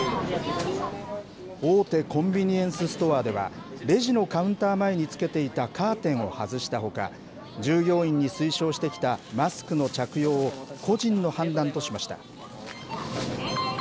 大手コンビニエンスストアでは、レジのカウンター前につけていたカーテンを外したほか、従業員に推奨してきたマスクの着用を、個人の判断としました。